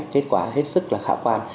kết quả hết sức là khả quan